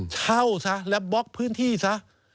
เช่าซะแล้วบล็อกพื้นที่ซะ